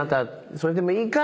それでもいいか？